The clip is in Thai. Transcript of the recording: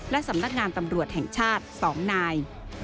และสำนักงานตำรวจแห่งชาติ๒นาย